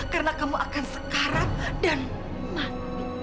karena kamu akan sekarat dan mati